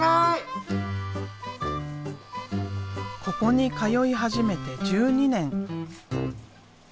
ここに通い始めて１２年。